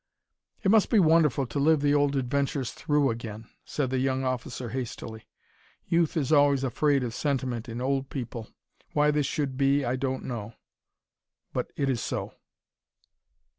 "It must be wonderful to live the old adventures through again," said the young officer hastily. Youth is always afraid of sentiment in old people. Why this should be, I do not know. But it is so.